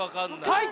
はい！